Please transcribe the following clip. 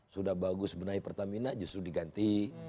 sudah bagus benahi pertamina justru diganti